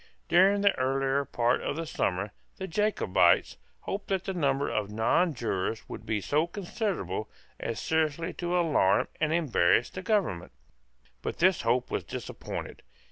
During the earlier part of the summer, the Jacobites hoped that the number of nonjurors would be so considerable as seriously to alarm and embarrass the Government. But this hope was disappointed.